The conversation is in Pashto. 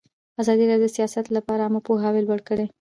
ازادي راډیو د سیاست لپاره عامه پوهاوي لوړ کړی.